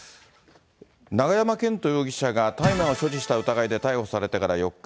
永山絢斗容疑者が大麻を所持した疑いで逮捕されてから４日。